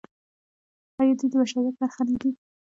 آیا دوی د بشریت برخه نه دي؟